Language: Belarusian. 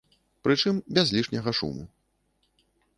Прычым, без лішняга шуму.